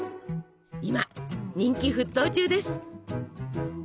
今人気沸騰中です！